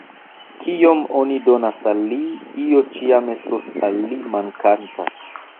Kiom oni donas al li, io ĉiam estos al li “mankanta”.